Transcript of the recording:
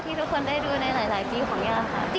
ที่ทุกคนได้ดูในหลายปีของยาค่ะ